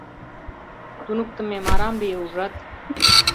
— Туныктымем арам лие, ужат?